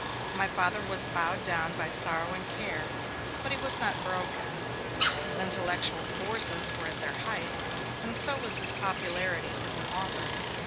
My Father was bowed down by sorrow and care, but he was not broken. His intellectual forces were at their height, and so was his popularity as an author.